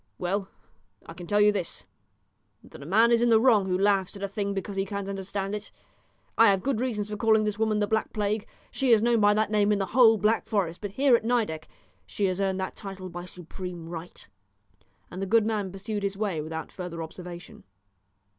Well, I can tell you this, that a man is in the wrong who laughs at a thing because he can't understand it. I have good reasons for calling this woman the Black Plague. She is known by that name in the whole Black Forest, but here at Nideck she has earned that title by supreme right." And the good man pursued his way without further observation.